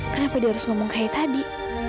kenapa dia harus ngomong kayak tadi